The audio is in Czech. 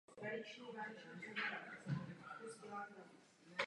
Má na svém kontě též řadu dalších patentů z oblasti elektroniky.